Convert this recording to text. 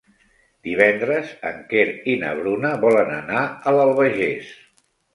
Divendres en Quer i na Bruna volen anar a l'Albagés.